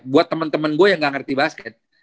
buat temen temen gue yang gak ngerti basket